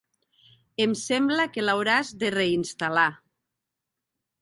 Em sembla que l'hauràs de reinstal·lar.